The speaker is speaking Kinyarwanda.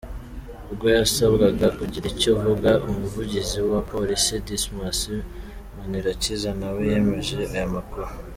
Ubwo yasabwaga kugira icyo avuga, umuvugizi wa polisi, Dismas Manirakiza nawe yemeje aya makuru.